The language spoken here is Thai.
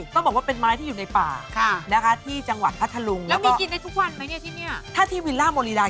ก็บอกว่าเป็นไม้ที่อยู่ในป่าค่ะเราบอกว่าเป็นไม้ที่อยู่ในป่า